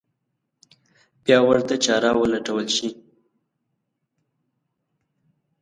بیا ورته چاره ولټول شي.